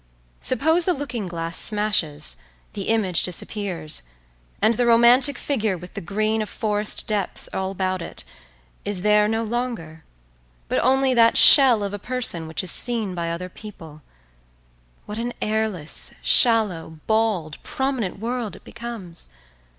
Suppose the looking glass smashes, the image disappears, and the romantic figure with the green of forest depths all about it is there no longer, but only that shell of a person which is seen by other people—what an airless, shallow, bald, prominent world it becomes!